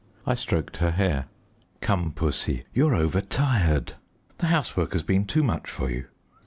I stroked her hair. "Come, Pussy, you're over tired. The housework has been too much for you."